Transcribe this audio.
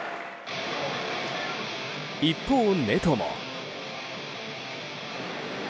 一方、ネトも。